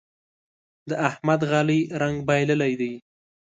د احمد غالۍ رنګ بايللی دی.